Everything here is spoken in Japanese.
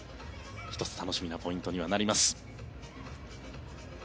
１つ楽しみなポイントになります。